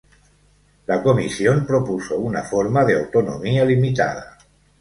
La comisión propuso una forma de autonomía limitada.